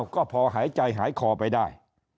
ก็พอหายใจหายคอไปได้